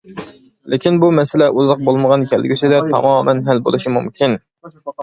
لېكىن بۇ مەسىلە ئۇزاق بولمىغان كەلگۈسىدە تامامەن ھەل بولۇشى مۇمكىن.